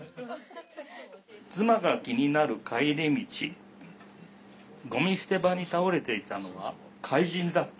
「妻が気になる帰り道ゴミ捨て場に倒れていたのは怪人だった」。